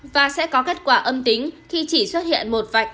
và sẽ có kết quả âm tính khi chỉ xuất hiện một vạch